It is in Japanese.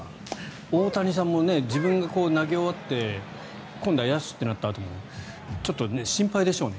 大谷さんも自分が投げ終わって今度は野手となったあともちょっと心配でしょうね。